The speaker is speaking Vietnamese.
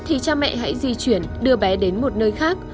thì cha mẹ hãy di chuyển đưa bé đến một nơi khác